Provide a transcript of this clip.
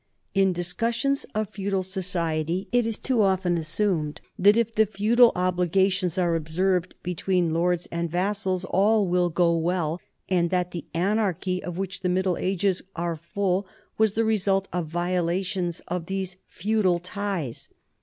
In discussions of feudal soci ety it is too often assumed that if the feudal obligations are observed between lords and vassals, all will go well, and that the anarchy of which the Middle Ages are full was the result of violations of these feudal ties.